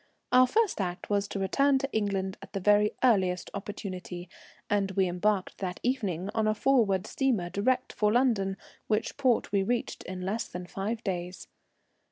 Our first act was to return to England at the very earliest opportunity, and we embarked that evening on a Forwood steamer direct for London, which port we reached in less than five days.